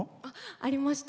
ありました。